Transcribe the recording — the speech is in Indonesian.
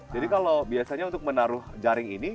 jadi kalau biasanya untuk menaruh jaring ini